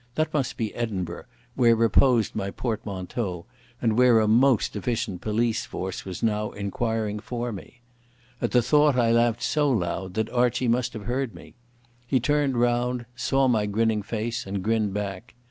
That must be Edinburgh, where reposed my portmanteau, and where a most efficient police force was now inquiring for me. At the thought I laughed so loud that Archie must have heard me. He turned round, saw my grinning face, and grinned back.